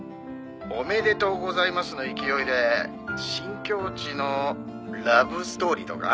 「おめでとうございますの勢いで新境地のラブストーリーとか？」